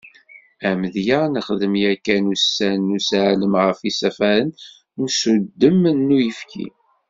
Amedya, nexdem yakan ussan n useɛlem ɣef yisafaren n usuddem n uyefki.